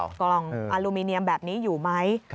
กล่องอลูมิเนียมแบบนี้อยู่ไหม